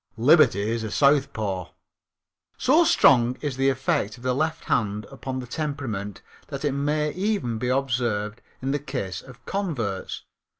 Liberty is a southpaw. So strong is the effect of the left hand upon the temperament that it may even be observed in the case of converts.